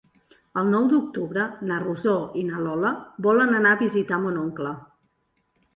El nou d'octubre na Rosó i na Lola volen anar a visitar mon oncle.